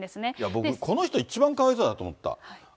僕、この人、一番かわいそうだと思った。